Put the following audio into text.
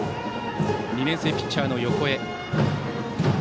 ２年生ピッチャーの横江。